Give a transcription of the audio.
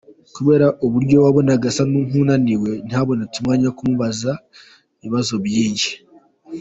Kubera uburyo wabonaga asa nk’unaniwe, ntihabonetse umwanya uhagije wo kumubaza ibibazo byinshi.